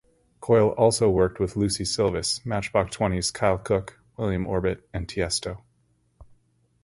Coyle also worked with Lucie Silvas, Matchbox Twenty's Kyle Cook, William Orbit, and Tiesto.